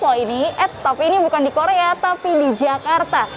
loh ini ets tapi ini bukan di korea tapi di jakarta